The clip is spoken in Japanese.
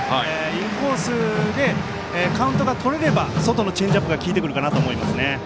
インコースでカウントがとれれば外のチェンジアップが効いてくるかなと思います。